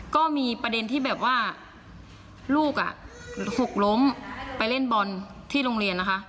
ก็มีประเด็นที่แบบว่าลูกหกล้มไปเล่นบอลที่โรงเรียนนะคะ